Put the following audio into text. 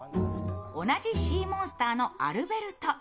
同じシー・モンスターのアルベルト。